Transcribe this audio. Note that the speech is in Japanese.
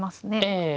ええ。